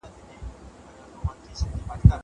زه ليک لوستی دی!